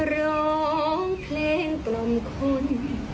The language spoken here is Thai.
ร้องเพลงกล่อมคน